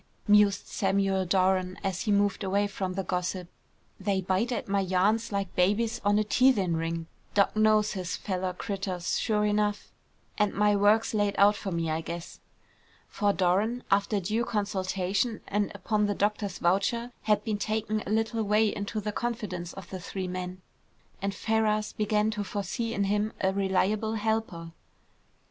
mused Samuel Doran as he moved away from the gossip. "They bite at my yarns like babies on a teethin' ring. Doc. knows his fellow critters, sure enough, and my work's laid out for me, I guess." For Doran, after due consultation, and upon the doctor's voucher, had been taken a little way into the confidence of the three men, and Ferrars began to foresee in him a reliable helper.